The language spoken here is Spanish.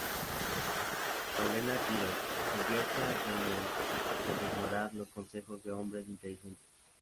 Olenna Tyrell le advierte a Daenerys sobre ignorar los consejos de "hombres inteligentes.